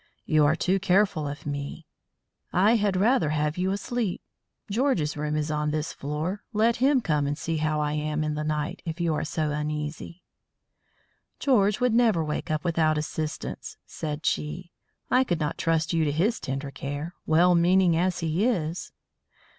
You are too careful of me; I had rather have you sleep. George's room is on this floor; let him come and see how I am in the night, if you are so uneasy." "George would never wake up without assistance," said she. "I could not trust you to his tender care, well meaning as he is."